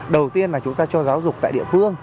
đầu tiên là chúng ta cho giáo dục tại địa phương